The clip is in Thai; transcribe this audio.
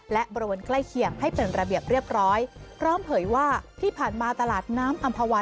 และบริเวณใกล้เคียงให้เป็นระเบียบเรียบร้อยพร้อมเผยว่าที่ผ่านมาตลาดน้ำอำภาวัน